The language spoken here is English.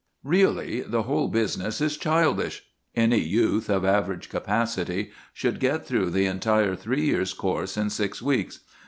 Really, the whole business is childish. Any youth of average capacity should get through the entire three years' course in six weeks.